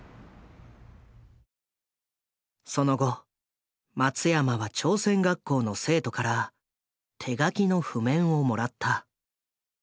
その後松山は朝鮮学校の生徒から手書きの譜面をもらった。